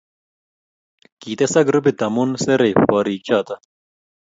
kitesak grupit amu serei borik che too.